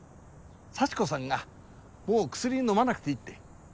幸子さんがもう薬飲まなくていいって。